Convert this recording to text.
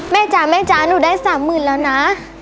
แม่จ๊ะหนูได้สามหมื่นแล้วนะ